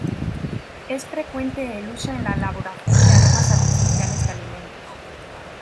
Es frecuente el uso en la elaboración de aromas artificiales de alimentos,